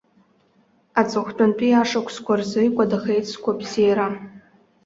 Аҵыхәтәантәи ашықәсқәа рзы икәадахеит сгәабзиара.